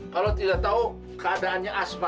kalau tidak tahu keadaannya asma